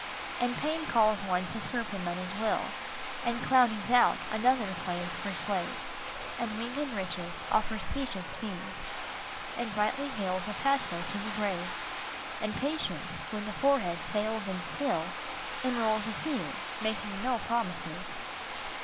And Pain calls one to serve him at his will, And cloudy Doubt another claims for slave, And winged Riches offer specious fees And brightly gild a pathway to the grave, And Patience, with a forehead veiled and still, Enrols a few, making no promises.